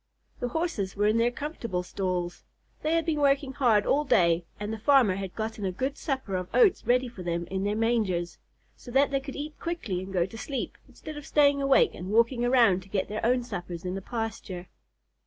The Horses were in their comfortable stalls. They had been working hard all day and the farmer had gotten a good supper of oats ready for them in their mangers, so that they could eat quickly and go to sleep, instead of staying awake and walking around to get their own suppers in the pasture.